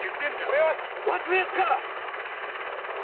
これは出発ですか！？